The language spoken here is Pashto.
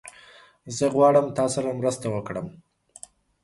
زه غواړم تاسره مرسته وکړم